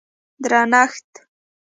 درنښت